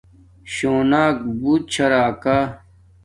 شوناک بوت چھا راکا